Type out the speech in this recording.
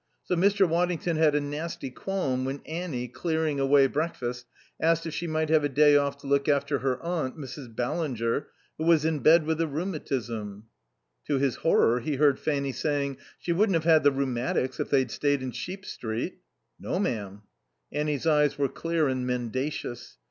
So Mr. Waddington had a nasty qualm when Annie, clearing away breakfast, asked if she might have a day off to look after her aunt, Mrs. Ballinger, who was in bed with the rheumatics. To his horror he heard Fanny saying: "She wouldn't have had the rheumatics if they'd stayed in Sheep Street." "No, ma'am." Annie's eyes were clear and mendacious.